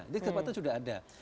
jadi kesepakatan sudah ada